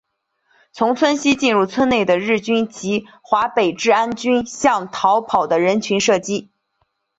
从村西进入村内的日军及华北治安军向逃跑的人群射击。